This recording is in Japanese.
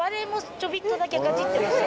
ちょびっとだけかじってました。